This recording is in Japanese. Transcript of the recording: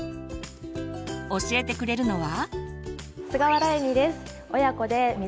教えてくれるのは。